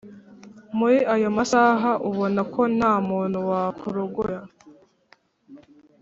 Muri ayo masaha ubona ko nta muntu wakurogoya